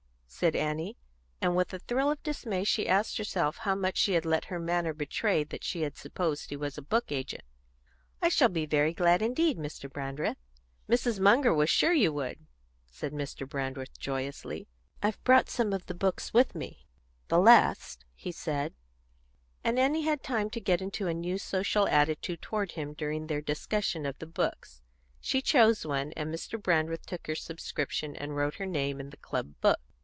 said Annie, and with a thrill of dismay she asked herself how much she had let her manner betray that she had supposed he was a book agent. "I shall be very glad indeed, Mr. Brandreth." "Mrs. Munger was sure you would," said Mr. Brandreth joyously. "I've brought some of the books with me the last," he said; and Annie had time to get into a new social attitude toward him during their discussion of the books. She chose one, and Mr. Brandreth took her subscription, and wrote her name in the club book.